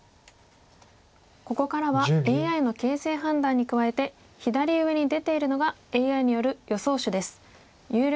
ここからはＡＩの形勢判断に加えて左上に出ているのがＡＩによる予想手です。